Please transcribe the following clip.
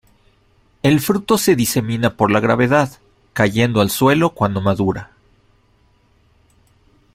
El fruto se disemina por la gravedad, cayendo al suelo cuando madura.